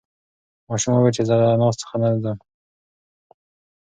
ماشوم وویل چې زه له انا څخه نه ځم.